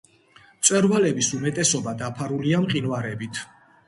მწვერვალების უმეტესობა დაფარულია მყინვარებით.